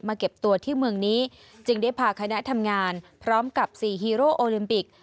เก็บตัวที่เมืองนี้จึงได้พาคณะทำงานพร้อมกับสี่ฮีโร่โอลิมปิก